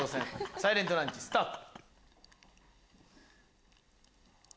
サイレントランチスタート。